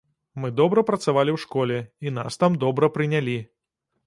Мы добра працавалі ў школе, і нас там добра прынялі.